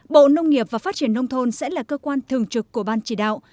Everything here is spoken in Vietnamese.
bộ nông nghiệp và phát triển nông thôn sẽ là cơ quan thường trực của ban chỉ đạo